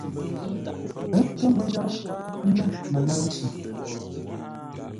Ə́ kə́ mbə́ yórə́ lə̂ mələ̂ʉ nci.